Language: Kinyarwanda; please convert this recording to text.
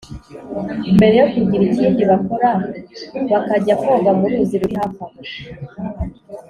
mbere yo kugira ikindi bakora bakajya koga mu ruzi ruri hafi aho